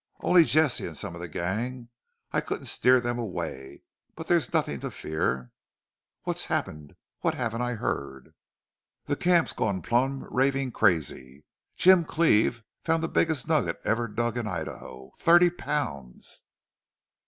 "Only Jesse an' some of the gang. I couldn't steer them away. But there's nothin' to fear." "What's happened? What haven't I heard?" "The camp's gone plumb ravin' crazy.... Jim Cleve found the biggest nugget ever dug in Idaho!... THIRTY POUNDS!"